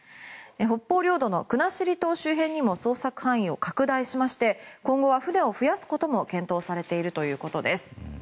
北方領土の国後島周辺にも捜索範囲を拡大しまして今後は船を増やすことも検討されているということです。